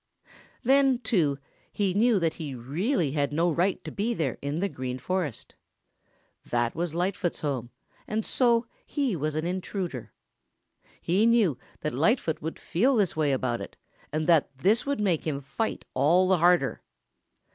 Then, too, he knew that he really had no right to be there in the Green Forest. That was Lightfoot's home and so he was an intruder. He knew that Lightfoot would feel this way about it and that this would make him fight all the harder.